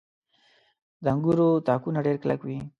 • د انګورو تاکونه ډېر کلک وي.